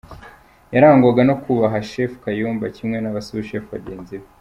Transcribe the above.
Yarangwaga no kubaha Shefu Kayumba kimwe n’abasushefu bagenzi be.